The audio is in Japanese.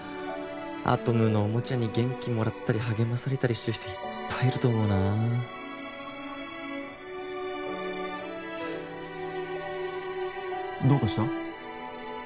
アトムのおもちゃに元気もらったり励まされたりしてる人いっぱいいると思うなどうかした？